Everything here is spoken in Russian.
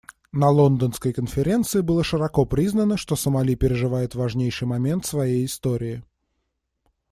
На Лондонской конференции было широко признано, что Сомали переживает важнейший момент в своей истории.